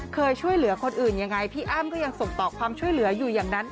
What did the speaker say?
ช่วยเหลือคนอื่นยังไงพี่อ้ำก็ยังส่งต่อความช่วยเหลืออยู่อย่างนั้น